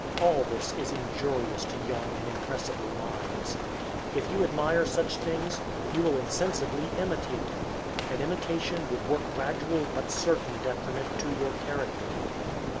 All this is injurious to young and impressible minds. If you admire such things, you will insensibly imitate them, and imitation will work gradual but certain detriment to your character.